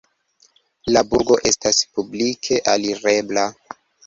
La burgo estas publike alirebla.